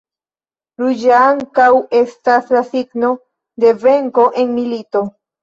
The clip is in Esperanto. Ruĝa ankaŭ estas la signo de venko en milito.